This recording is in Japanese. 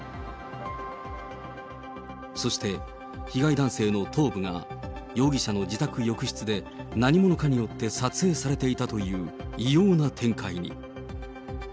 そして被害男性の頭部が容疑者の自宅浴室で何者かによって撮影されていたという異様な展開に。